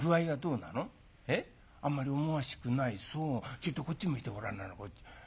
ちょいとこっち向いてごらんな。